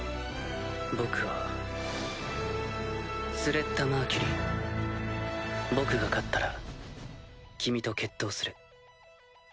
僕はスレッタ・マーキュリー僕が勝ったら君と決闘する。